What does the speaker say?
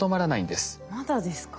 まだですか？